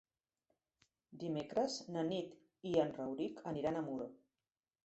Dimecres na Nit i en Rauric aniran a Muro.